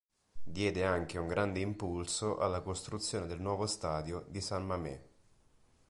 Diede anche un grande impulso alla costruzione del nuovo Stadio di San Mamés.